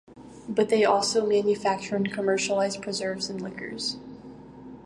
But they also manufacture and commercialize preserves and liqueurs.